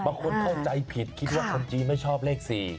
เข้าใจผิดคิดว่าคนจีนไม่ชอบเลข๔